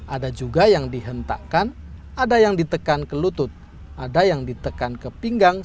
ada juga yang dihentakkan ada yang ditekan ke lutut ada yang ditekan ke pinggang